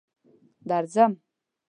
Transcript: درځم.